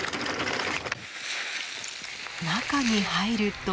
中に入ると。